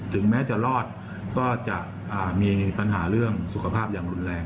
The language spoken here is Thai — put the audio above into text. ถึงแม้จะรอดก็จะมีปัญหาเรื่องสุขภาพอย่างรุนแรง